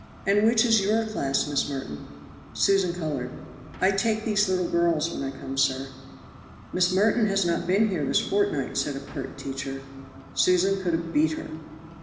"And which is your class, Miss Merton?" Susan colored. "I take these little girls when I come, sir. "Miss Merton has not been here this fortnight," said a pert teacher. Susan could have beat her.